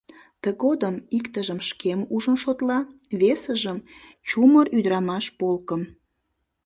Тыгодым иктыжым шкем ужын шотла, весыжым — чумыр ӱдырамаш полкым.